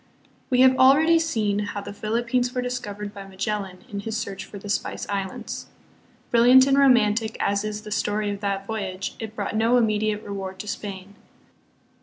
We have already seen how the Philippines were discovered by Magellan in his search for the Spice Islands. Brilliant and romantic as is the story of that voyage, it brought no immediate reward to Spain.